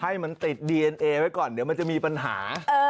ให้มันติดดีเอ็นเอไว้ก่อนเดี๋ยวมันจะมีปัญหา